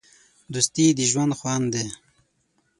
دوستي د ژوند خوند دی.